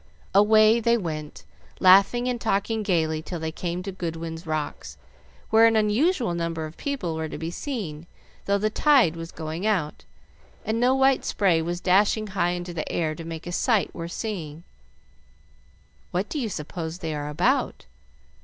Away they went, laughing and talking gayly till they came to Goodwin's Rocks, where an unusual number of people were to be seen though the tide was going out, and no white spray was dashing high into the air to make a sight worth seeing. "What do you suppose they are about?